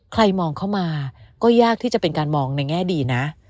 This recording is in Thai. มองเข้ามาก็ยากที่จะเป็นการมองในแง่ดีนะ